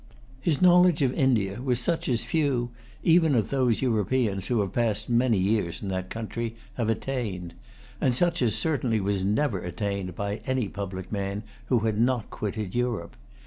His knowledge of India was such as few, even of those Europeans who have passed many years in that country, have attained, and such as certainly was never attained by any public man who had not quitted Europe.